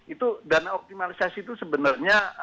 itu dana optimalisasi itu sebenarnya